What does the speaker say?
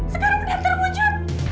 sekarang udah terwujud